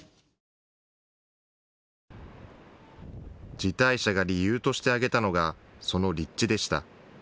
辞退者が理由として挙げたのがその立地でした。